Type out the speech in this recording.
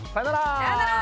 さよなら。